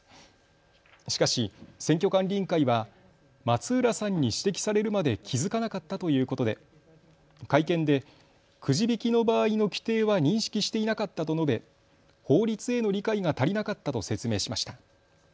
しかし選挙管理委員会は松浦さんに指摘されるまで気付かなかったということで会見で、くじ引きの場合の規定は認識していなかったと述べ法律への理解が足りなかったと説明しました。